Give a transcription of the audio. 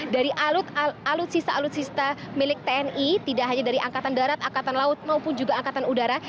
dari alutsista alutsista milik tni tidak hanya dari angkatan darat angkatan laut maupun juga angkatan udara